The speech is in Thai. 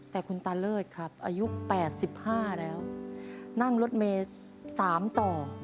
แต่คุณตาเลิศครับอายุ๘๕แล้วนั่งรถเมย์๓ต่อ